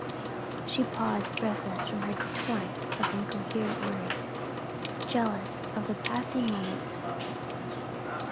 She paused, breathless from her torrent of incoherent words, jealous of the passing moments.